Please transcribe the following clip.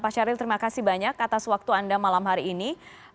pak syahril terima kasih banyak atas waktu anda malam hari ini